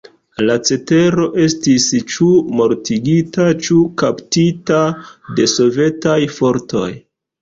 La cetero estis ĉu mortigita ĉu kaptita de sovetaj fortoj.